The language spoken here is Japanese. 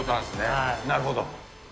なるほど。